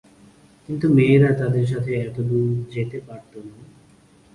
কিন্তু মেয়েরা তাদের সাথে এত দূরে যেতে পারত না।